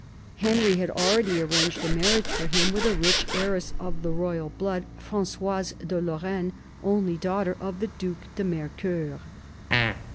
Henry had already arranged a marriage for him with a rich heiress of royal blood, FranQoise de Lorraine, only daughter of the Due de Mercoeur.